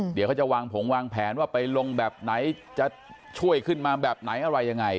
เดี๋ยวเขาจะวางผงวางแผนว่าไปลงแบบไหนจะช่วยขึ้นมาแบบไหนอะไรยังไง